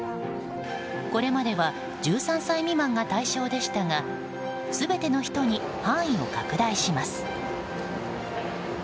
これまでは１３歳未満が対象でしたが全ての人に範囲を拡大します。